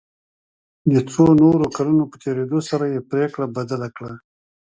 د څو نورو کلونو په تېرېدو سره یې پريکړه بدله کړه.